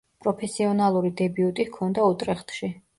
პროფესიონალური დებიუტი ჰქონდა „უტრეხტში“.